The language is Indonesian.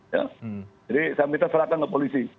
jadi saya minta silakan ke polisi